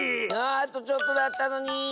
ああとちょっとだったのに。